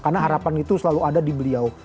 karena harapan itu selalu ada di beliau